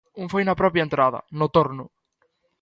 Un foi na propia entrada, no torno.